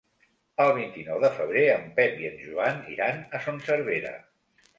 El vint-i-nou de febrer en Pep i en Joan iran a Son Servera.